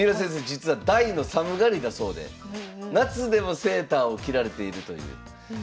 実は大の寒がりだそうで夏でもセーターを着られているという。